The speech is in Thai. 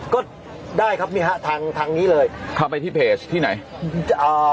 ก็ได้ครับนี่ฮะทางทางนี้เลยเข้าไปที่เพจที่ไหนอ่า